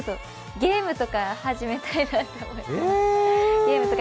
ゲームとか始めたいなと思います。